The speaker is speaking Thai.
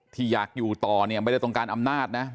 ที่อยากอยู่ต่อเนี่ยไม่ได้ต้องการอำนาจนะ